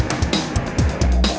lo sudah bisa berhenti